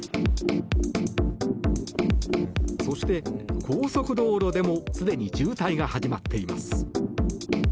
そして、高速道路でもすでに渋滞が始まっています。